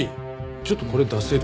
ちょっとこれ出せる？